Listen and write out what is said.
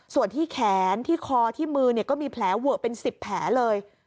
ส่วนที่แขนที่คอที่มือก็มีแผลเวอะเป็น๑๐แผลเลย